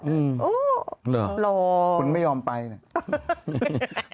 หรอคุณไม่ยอมไปนะหรอ